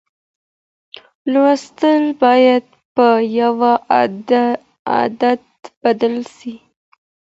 لوستل باید په یو عادت بدل سي.